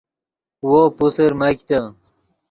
وو پوسر میگتے